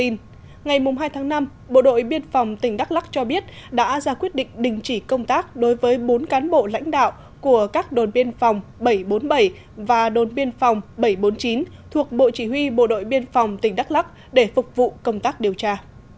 ngày hai tháng năm bộ đội biên phòng tỉnh đắk lắc cho biết đã ra quyết định đình chỉ công tác đối với bốn cán bộ lãnh đạo của các đồn biên phòng bảy trăm bốn mươi bảy và đồn biên phòng bảy trăm bốn mươi chín thuộc bộ chỉ huy bộ đội biên phòng tỉnh đắk lắc để phục vụ công tác điều tra